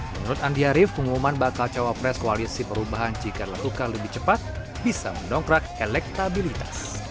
menurut andi arief pengumuman bakal cawapres koalisi perubahan jika dilakukan lebih cepat bisa mendongkrak elektabilitas